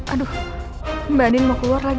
aduh mbak den mau keluar lagi